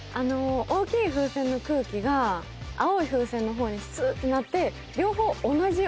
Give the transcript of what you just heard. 大きい風船の空気が青い風船のほうにスってなって両方。